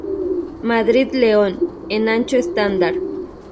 Madrid-León" en ancho estándar.